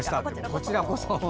こちらこそ。